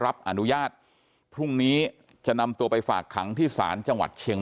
รับอนุญาตพรุ่งนี้จะนำตัวไปฝากขังที่ศาลจังหวัดเชียงใหม่